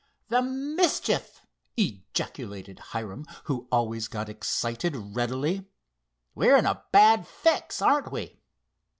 "The mischief!" ejaculated Hiram, who always got excited readily. "We're in a bad fix; aren't we?"